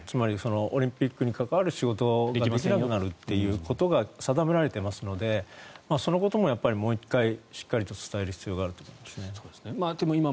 オリンピックに関わる仕事ができないと言われていますのでそのことももう１回しっかり伝える必要があると思います。